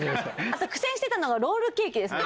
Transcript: あと苦戦してたのはロールケーキですね。